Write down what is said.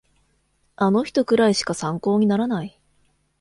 あの人くらいしか参考にならない